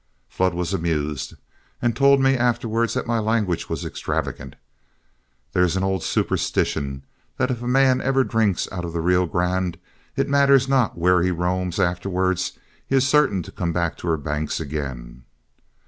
Flood was amused, and told me afterward that my language was extravagant. There is an old superstition that if a man ever drinks out of the Rio Grande, it matters not where he roams afterward, he is certain to come back to her banks again.